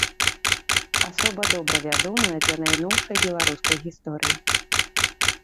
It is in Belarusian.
Асоба добра вядомая для найноўшай беларускай гісторыі.